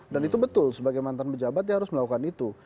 dan itu betul sebagai mantan pejabat dia harus melakukan itu